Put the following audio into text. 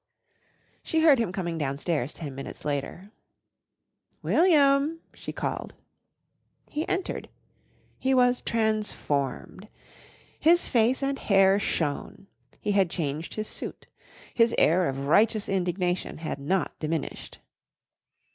She heard him coming downstairs ten minutes later. "William!" she called. He entered. He was transformed. His face and hair shone, he had changed his suit. His air of righteous indignation had not diminished.